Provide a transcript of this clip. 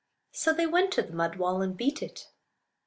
So they went to the mud wall and beat it.